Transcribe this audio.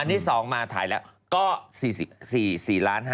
ที่๒มาถ่ายแล้วก็๔ล้าน๕